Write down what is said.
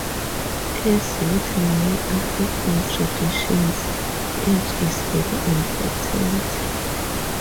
As with many African traditions, age is very important.